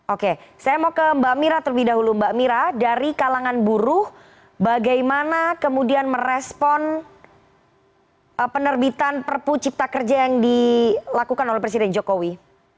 oke saya mau ke mbak mira terlebih dahulu mbak mira dari kalangan buruh bagaimana kemudian merespon penerbitan prp cipta kerja yang dilakukan oleh presiden jokowi